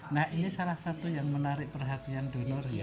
nah ini salah satu yang menarik perhatian donor ya